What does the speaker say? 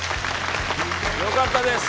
よかったです！